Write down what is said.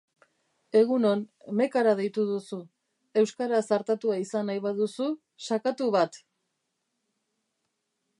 Egunon, mekara deitu duzu, euskaraz artatua izan nahi baduzu, sakatu bat.